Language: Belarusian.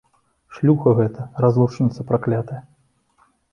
Шлюха гэта, разлучніца праклятая!